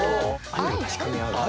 愛を確かめ合う。